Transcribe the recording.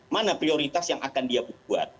mana prioritas yang akan dia buat